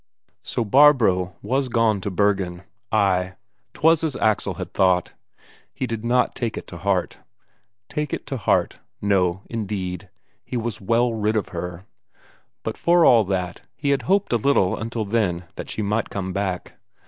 So Barbro was gone to Bergen ay, 'twas as Axel had thought. He did not take it to heart. Take it to heart? No, indeed; he was well rid of her. But for all that, he had hoped a little until then that she might come back.